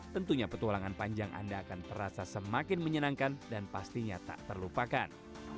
tentunya petualangan panjang anda akan terasa semakin menyenangkan dan pastinya tak terlupakan